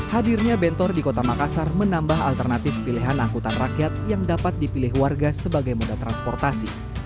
hadirnya bentor di kota makassar menambah alternatif pilihan angkutan rakyat yang dapat dipilih warga sebagai moda transportasi